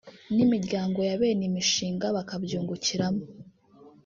n’imiryango ya bene imishinga bakabyungukiramo”